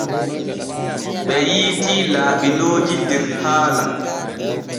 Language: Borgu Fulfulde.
Ɓe yiitii laaɓinooji der haala.